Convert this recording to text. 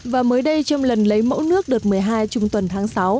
và mới đây trong lần lấy mẫu nước đợt một mươi hai trung tuần tháng sáu